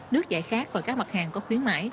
nước giải khát và các mặt hàng có khuyến mại